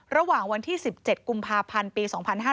ระหว่างวันที่๑๗กุมภาพันธ์ปี๒๕๕๙